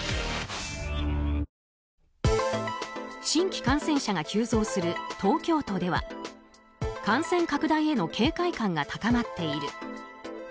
新規感染者が急増する東京都では感染拡大への警戒感が高まっている。